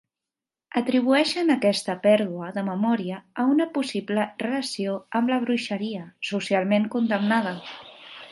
Atribueixen aquesta pèrdua de memòria a una possible relació amb la bruixeria, socialment condemnada.